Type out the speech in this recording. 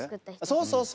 そうそうそう。